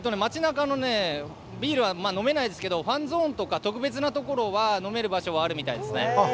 町なかでビールは飲めないですがファンゾーンとか特別なところは飲める場所があるみたいです。